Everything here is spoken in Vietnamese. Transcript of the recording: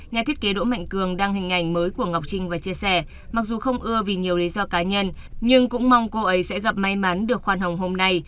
nhà thiết kế đỗ mạnh cường đăng hình ảnh mới của ngọc trinh và chia sẻ mặc dù không ưa vì nhiều lý do cá nhân nhưng cũng mong cô ấy sẽ gặp may mắn được khoan hồng hôm nay